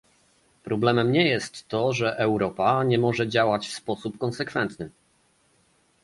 Problemem nie jest to, że Europa nie może działać w sposób konsekwentny